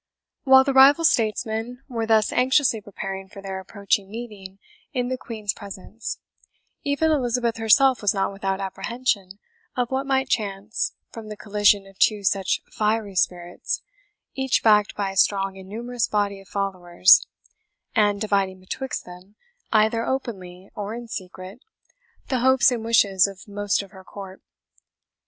While the rival statesmen were thus anxiously preparing for their approaching meeting in the Queen's presence, even Elizabeth herself was not without apprehension of what might chance from the collision of two such fiery spirits, each backed by a strong and numerous body of followers, and dividing betwixt them, either openly or in secret, the hopes and wishes of most of her court.